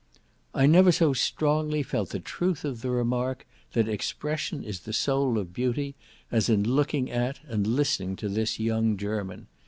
I never so strongly felt the truth of the remark, that expression is the soul of beauty, as in looking at, and listening to this young German.